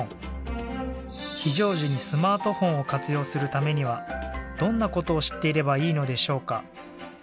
非常時にスマートフォンを活用するためにはどんな事を知っていればいいのでしょうか？